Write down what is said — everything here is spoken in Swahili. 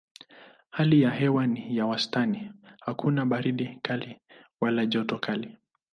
Hali ya hewa ni ya wastani hakuna baridi kali wala joto kali.